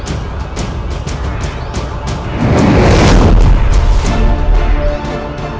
aku penasaran apa dulu teman teman kita